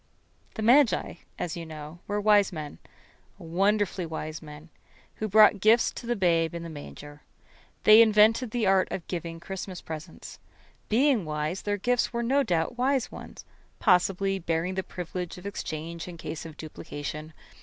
The magi, as you know, were wise men wonderfully wise men who brought gifts to the Babe in the manger. They invented the art of giving Christmas presents. Being wise, their gifts were no doubt wise ones, possibly bearing the privilege of exchange in case of duplication.